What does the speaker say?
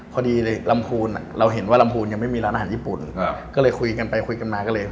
พอดีลำพูนเราเห็นว่าลำพูนยังไม่มีร้านอาหารญี่ปุ่นก็เลยคุยกันไปคุยกันมาก็เลย